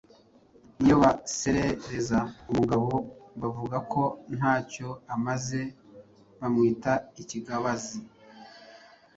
Iyo baserereza umugabo bavuga ko nta cyo amaze bamwita ikigabazi.